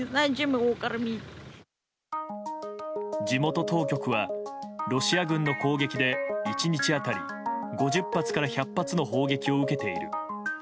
地元当局は、ロシア軍の攻撃で１日当たり５０発から１００発の砲撃を受けている。